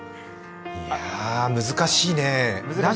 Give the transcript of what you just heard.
いや、難しいね。